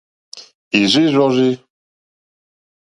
Ì rzí rzɔ́rzí.